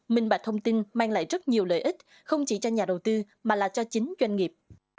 minh bạch thông tin mang lại rất nhiều lợi ích không chỉ cho nhà đầu tư mà là cho chính doanh nghiệp